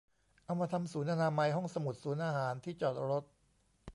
เอามาทำศูนย์อนามัย ห้องสมุด ศูนย์อาหาร ที่จอดรถ